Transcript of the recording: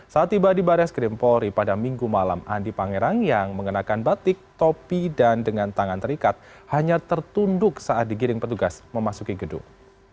saat tiba di baris krim polri pada minggu malam andi pangerang yang mengenakan batik topi dan dengan tangan terikat hanya tertunduk saat digiring petugas memasuki gedung